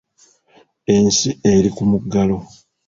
Ensi eri ku muggalo.